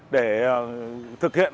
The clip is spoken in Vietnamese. để thực hiện